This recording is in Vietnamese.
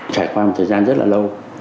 trải qua một thời gian rất là lâu